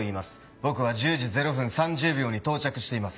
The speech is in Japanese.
僕は１０時０分３０秒に到着しています。